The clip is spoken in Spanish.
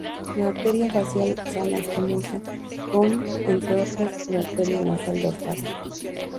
La "arteria facial" se anastomosa con, entre otras, la arteria nasal dorsal.